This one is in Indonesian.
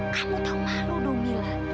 kamu tahu malu dong mila